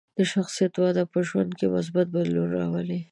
د شخصیت وده په ژوند کې مثبت بدلون راولي.